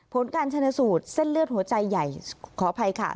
ผลการชนะสูตรเส้นเลือดหัวใจใหญ่ขออภัยค่ะ